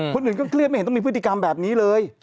คนอื่นก็เครียดไม่เห็นต้องมีพฤติกรรมแบบนี้เลย